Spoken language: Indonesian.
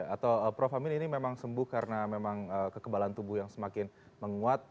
atau prof amin ini memang sembuh karena memang kekebalan tubuh yang semakin menguat